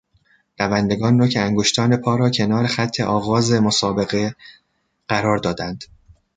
دوندگان نوک انگشتان پا را کنار خط آغاز مسابقه قرار دادند.